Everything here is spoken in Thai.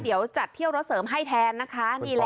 เดี๋ยวจัดเที่ยวรถเสริมให้แทนนะคะ